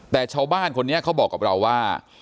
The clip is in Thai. แต่ชาวบ้านคนนี้เขาบอกกับเราว่า